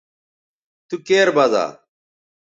تو کیر بزا